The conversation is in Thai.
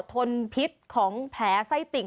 ทนพิษของแผลไส้ติ่ง